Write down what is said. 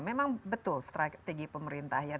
memang betul strategi pemerintah